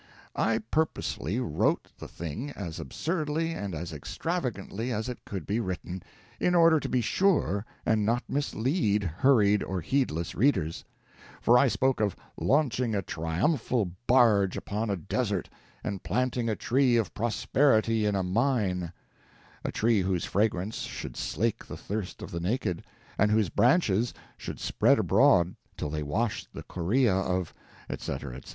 I purposely wrote the thing as absurdly and as extravagantly as it could be written, in order to be sure and not mislead hurried or heedless readers: for I spoke of launching a triumphal barge upon a desert, and planting a tree of prosperity in a mine a tree whose fragrance should slake the thirst of the naked, and whose branches should spread abroad till they washed the chorea of, etc., etc.